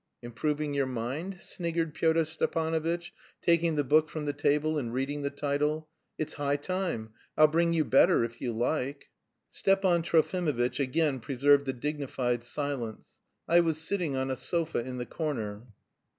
"Improving your mind?" sniggered Pyotr Stepanovitch, taking the book from the table and reading the title. "It's high time. I'll bring you better, if you like." Stepan Trofimovitch again preserved a dignified silence. I was sitting on a sofa in the corner.